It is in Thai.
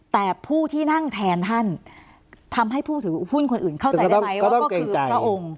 แต่ผู้ที่นั่งแทนท่านทำให้ผู้ถือหุ้นคนอื่นเข้าใจได้ไหมว่าก็คือพระองค์